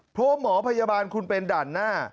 เพราะหมอพยาบาลคุณเป็นด่านหน้า